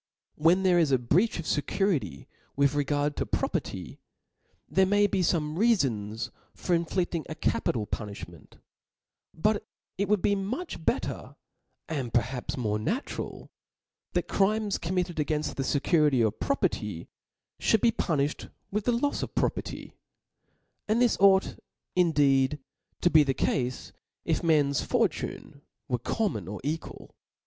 When there is a breach of fecurity with regard to property, there may be fome reafons for infli£fcing a capital puni(h ment : but it would be much better, and perhaps more natural, that crimes committed againft the fecurity of property (hould be' puni(bed with the lofs of property ; and this ought indeed to be the cafe if men's fortunes were common or equal.